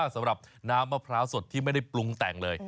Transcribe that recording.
ส่วนน้ำมะพร้าวสดที่ไม่ได้ปลุ้งแต่งเลย